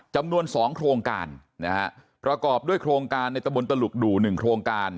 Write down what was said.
จำนวน๒โครงการนะฮะประกอบด้วยโครงการในตะบนตลุกดู่๑โครงการ